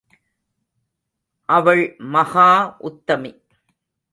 அவள் மகா உத்தமி!